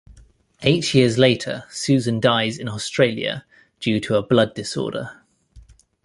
Eight years later, Susan dies in Australia due to a "blood disorder".